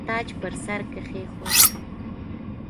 تاج پر سر کښېښود.